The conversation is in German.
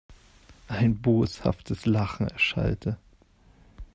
Ein boshaftes Lachen erschallte.